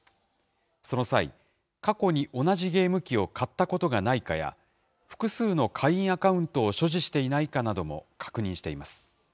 その際、過去に同じゲーム機を買ったことがないかや、複数の会員アカウントを所持していないかなども確認しています。